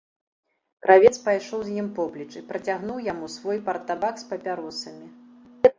Кравец пайшоў з ім поплеч і працягнуў яму свой партабак з папяросамі.